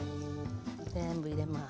全部入れます。